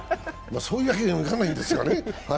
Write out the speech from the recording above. そういうわけにもいかないんですがね。